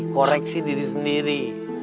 koreksi diri sendiri